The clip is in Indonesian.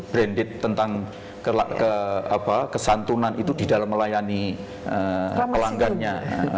branded tentang kesantunan itu di dalam melayani pelanggannya